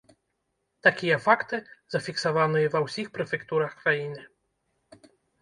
Такія факты зафіксаваныя ва ўсіх прэфектурах краіны.